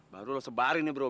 baru lo sebarin nih bro